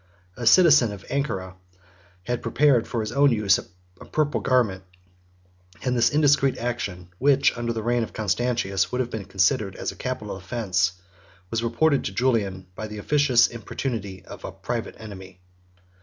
A citizen of Ancyra had prepared for his own use a purple garment; and this indiscreet action, which, under the reign of Constantius, would have been considered as a capital offence, 68 was reported to Julian by the officious importunity of a private enemy.